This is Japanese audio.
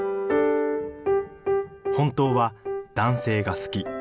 本当は男性が好き。